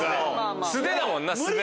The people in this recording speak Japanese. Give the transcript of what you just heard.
素手だもんな素手！